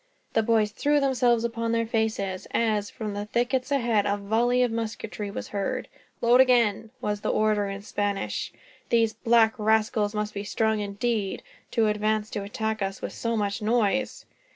The boys threw themselves upon their faces as, from the thickets ahead, a volley of musketry was heard. "Load again," was the order, in Spanish. "These black rascals must be strong, indeed, to advance to attack us with so much noise."